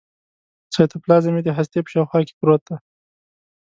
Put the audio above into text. سایتوپلازم یې د هستې په شاوخوا کې پروت دی.